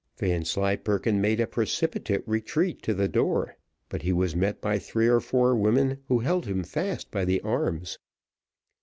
Vanslyperken made a precipitate retreat to the door, but he was met by three or four women, who held him fast by the arms.